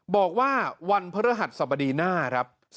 บอกว่าวันพระราหัสสมดีหน้า